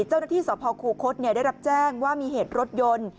เจ้าหน้าที่สคครูคตได้รับแจ้งว่ามีเหตุรถยนต์